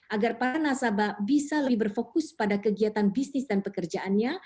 agar para nasabah bisa lebih berfokus pada kegiatan bisnis dan pekerjaannya